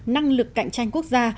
năng lực cạnh tranh quốc gia